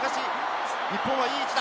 日本はいい位置だ。